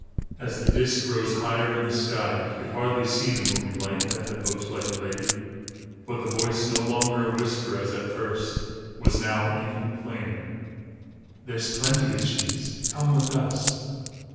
As the disc rose higher in the sky, he could hardly see the moving light, that had looked like a lady; but the voice, no longer a whisper, as at first, was now even plainer: "There's plenty of cheese. Come with us."